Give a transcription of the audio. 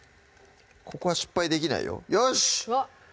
ここは失敗できないよよしっ！